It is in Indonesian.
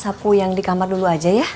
sapu yang di kamar dulu aja ya